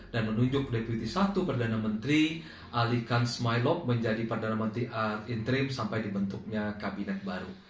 dan menunjuk deputi i perdana menteri ali khan smailok menjadi perdana menteri intrim sampai dibentuknya kabinet baru